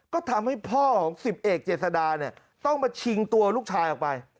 ก็ทำให้พ่อของ๑๐เอกเจษดาเนี่ยต้องมาชิงตัวลูกชายออกไป